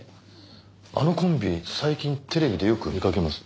あのコンビ最近テレビでよく見かけます。